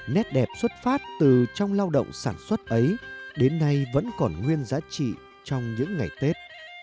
nét đẹp xuất phát từ trong lao động sản xuất ấy đến nay vẫn còn nguyên giá trị trong những ngày tết